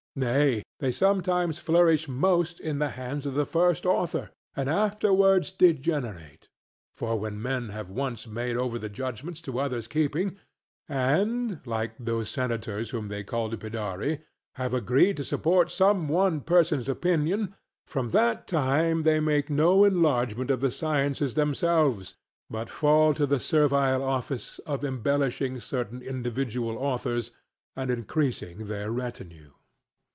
Nay, they sometimes flourish most in the hands of the first author, and afterwards degenerate. For when men have once made over their judgments to others' keeping, and (like those senators whom they called Pedarii) have agreed to support some one person's opinion, from that time they make no enlargement of the sciences themselves, but fall to the servile office of embellishing certain individual authors and increasing their retinue.